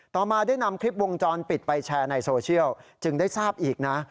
ต่อมาได้นำคลิปวงจรปิดไปแชร์ในโซเชียลจึงได้ทราบอีกนะ